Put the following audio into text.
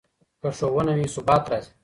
که ښوونه وي، ثبات راځي.